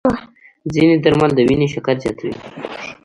ځینې درمل د وینې شکر زیاتوي.